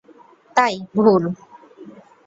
তাই, ভুল।